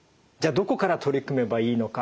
どこから取り組めばいいのか。